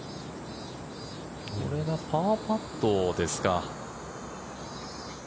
これがパーパットですか。